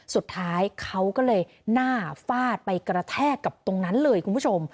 สุดท้ายเขาก็เลยหน้าฟาดไปกระแทกกับตรงนั้นเลยคุณผู้ชม